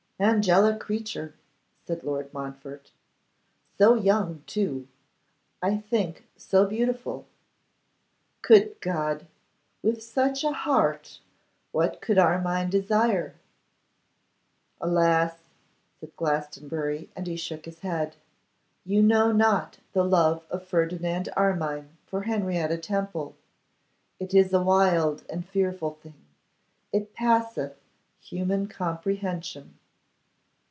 'Angelic creature!' said Lord Montfort. 'So young, too; I think so beautiful. Good God! with such a heart what could Armine desire?' 'Alas!' said Glastonbury, and he shook his head. 'You know not the love of Ferdinand Armine for Henrietta Temple. It is a wild and fearful thing; it passeth human comprehension.